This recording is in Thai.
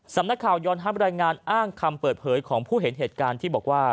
สำนักข่าวยอนฮัมรายงานอ้างคำเปิดเผยของผู้เห็นเหตุการณ์ที่บอกว่า